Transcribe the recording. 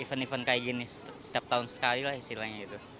event event kayak gini setiap tahun sekali lah istilahnya gitu